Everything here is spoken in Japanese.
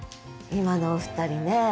今のお二人ね。